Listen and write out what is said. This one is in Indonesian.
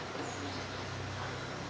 karena dari keputusan